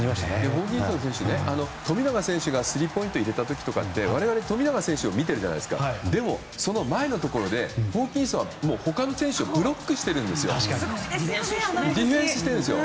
ホーキンソン選手ね富永選手がスリーポイントを入れた時とかって我々、富永選手を見ているじゃないですかでも、その前のところでホーキンソンは他の選手をブロックしてディフェンスしているんです。